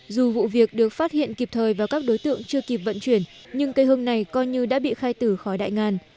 dù vụ việc được phát hiện kịp thời và các đối tượng chưa kịp vận chuyển nhưng cây hương này coi như đã bị khai tử khỏi đại ngàn